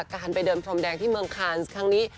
การไปเดินพรมแดงที่เมืองคานส์ครั้งนี้